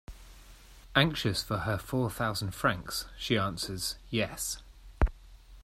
Anxious for her four thousand francs, she answers 'Yes.'